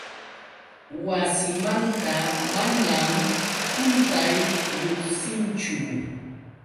Wasimanta manam quntay lluqsinchu.